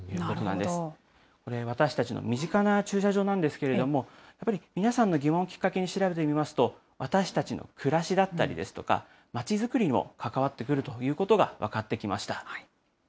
これ、私たちの身近な駐車場なんですけれども、やっぱり皆さんの疑問をきっかけに、調べてみますと、私たちの暮らしだったりですとか、町作りにも関わってくるということが分かってきました。